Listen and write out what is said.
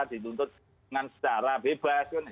dituntut dengan secara bebas